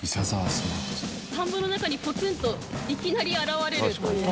田んぼの中にポツンといきなり現れるという。